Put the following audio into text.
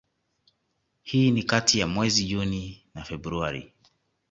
hii ni kati ya mwezi Juni na Februari